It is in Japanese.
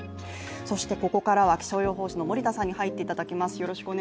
ここからは気象予報士の森田さんに入っていただきます。